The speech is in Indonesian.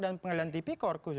dan pengadilan tipikor khususnya